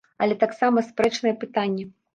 Але таксама спрэчнае пытанне.